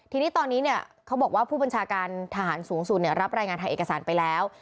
ทีนี้ตอนนี้เขาบอกว่าผู้บัญชาการทหารสูงสุดรับรายงานทางเอกสารไปแล้ว